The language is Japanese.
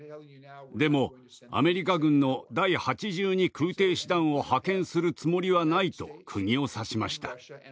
でもアメリカ軍の第８２空挺師団を派遣するつもりはないとくぎを刺しました。